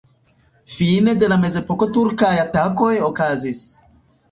Fine de la mezepoko turkaj atakoj okazis.